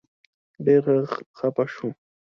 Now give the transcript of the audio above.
ډېر خپه شو.